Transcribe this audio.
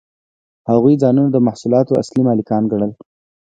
هغوی ځانونه د محصولاتو اصلي مالکان ګڼل